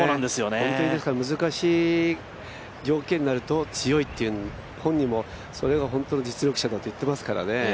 本当に難しい条件になると強いっていう、本人もそれが本当の実力者だと言ってますからね。